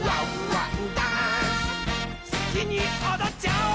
すきにおどっちゃおう！